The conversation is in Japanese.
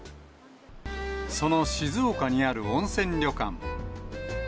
その静岡にある温泉旅館。